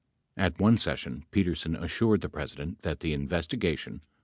At one session, Petersen assured the President that the investigation would 33 Id.